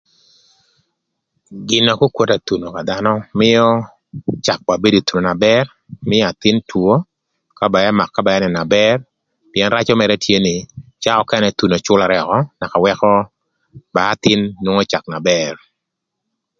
Gin na kwokwota ï thuno ka dhanö mïö cak ba bedo ï thuno na bër mïö athïn two ka ba ëmak ka ba ënënö na bër pïën racö mërë tye nï karë nökënë thuno cülërë ökö naka wëkö ba athïn nwongo cak na bër.